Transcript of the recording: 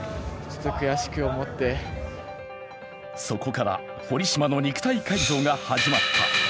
そこから堀島の肉体改造が始まった。